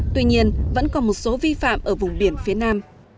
tuy nhiên vẫn còn một số vi phạm ở vùng biển phía nam